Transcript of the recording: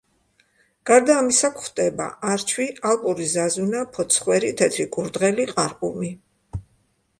გარდა ამისა გვხვდება: არჩვი, ალპური ზაზუნა, ფოცხვერი, თეთრი კურდღელი, ყარყუმი.